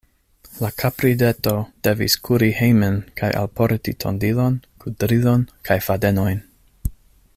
La kaprideto devis kuri hejmen kaj alporti tondilon, kudrilon kaj fadenojn.